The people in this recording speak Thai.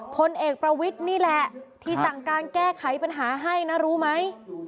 พลเอกประวิทย์นี่แหละที่สั่งการแก้ไขปัญหาให้นะรู้ไหม